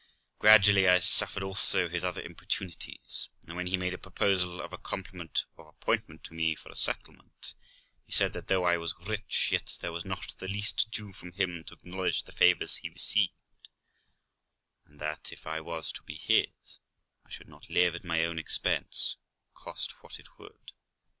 Gradually I suffered also his other importunities ; and when he made a proposal of a compliment or appointment to me for a settlement, he said that though I was rich, yet there was not the less due from him to acknowledge the favours he received ; and that, if I was to be his, I should not live at my own expense, cost what it would.